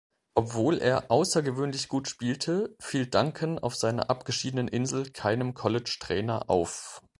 Obwohl er außergewöhnlich gut spielte, fiel Duncan auf seiner abgeschiedenen Insel keinem College-Trainer auf.